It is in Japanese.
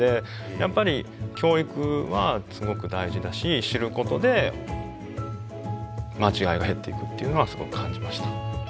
やっぱり教育はすごく大事だし知ることで間違いが減っていくっていうのは感じました。